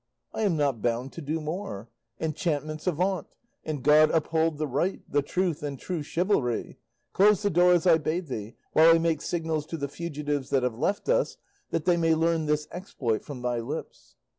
I am not bound to do more; enchantments avaunt, and God uphold the right, the truth, and true chivalry! Close the door as I bade thee, while I make signals to the fugitives that have left us, that they may learn this exploit from thy lips."